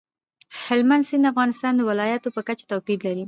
هلمند سیند د افغانستان د ولایاتو په کچه توپیر لري.